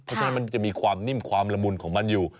เพราะฉะนั้นมันจะมีความนิ่มความละมุนของมันอยู่